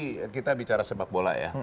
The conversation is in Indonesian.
saya bicara sepak bola ya